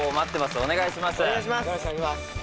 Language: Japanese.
お願いします